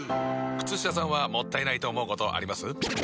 靴下さんはもったいないと思うことあります？